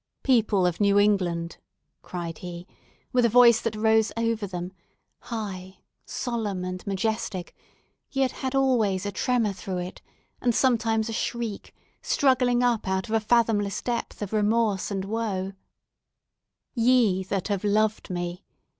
"People of New England!" cried he, with a voice that rose over them, high, solemn, and majestic—yet had always a tremor through it, and sometimes a shriek, struggling up out of a fathomless depth of remorse and woe—"ye, that have loved me!